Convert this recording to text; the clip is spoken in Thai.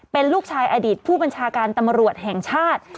เป็นลูกชายอดีตผู้บัญชาการตำรวจแห่งชาติ